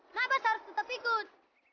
nabas harus tetap ikut